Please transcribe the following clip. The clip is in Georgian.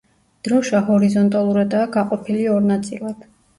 დროშა ჰორიზონტალურადაა გაყოფილი ორ ნაწილად.